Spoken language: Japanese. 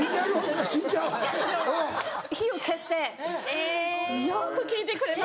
その火を消して「よく聞いてくれました」。